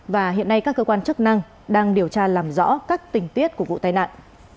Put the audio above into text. và hiện nay các cơ quan chức năng đang điều tra làm rõ các tình tiết của vụ tai nạn